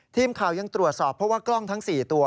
ทีมข่าวยังตรวจสอบเพราะว่ากล้องทั้ง๔ตัว